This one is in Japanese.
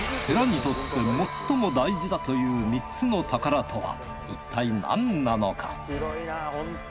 寺にとって最も大事だという３つの宝とはいったいなんなのか？